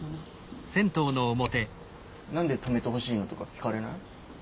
何で泊めてほしいのとか聞かれない？